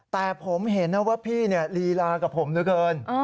แต่ผมเห็นว่าพี่นี่ลีลากับผมด้วยเกิน